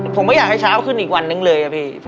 ผมไม่อยากให้เช้าขึ้นอีกวันนึงเลยอะพี่